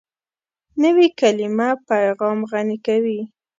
نوې کلیمه پیغام غني کوي